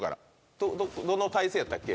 どの体勢やったっけ